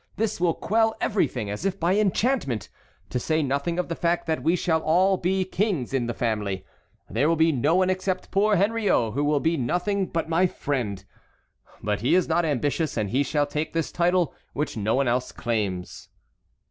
This will quell everything as if by enchantment, to say nothing of the fact that we shall all be kings in the family. There will be no one except poor Henriot who will be nothing but my friend. But he is not ambitious and he shall take this title which no one else claims."